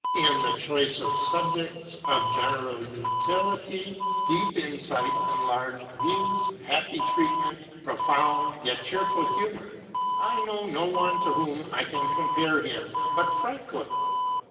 In the choice of subjects of general utility, deep insight, enlarged views, happy treatment, profound yet cheerful humor, I know no one to whom I can compare him but Franklin.